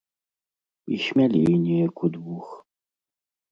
І смялей неяк удвух.